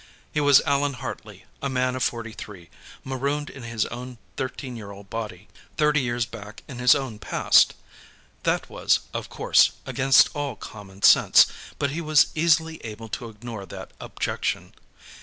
He was Allan Hartley, a man of forty three, marooned in his own thirteen year old body, thirty years back in his own past. That was, of course, against all common sense, but he was easily able to ignore that objection.